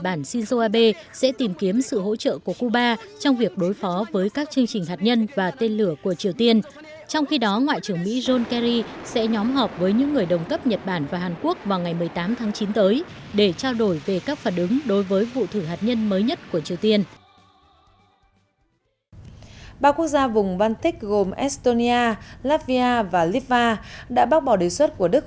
ba quốc gia vùng baltic gồm estonia latvia và lithuania đã bác bỏ đề xuất của đức